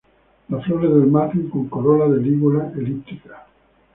Las flores del margen con corola de lígula elíptica.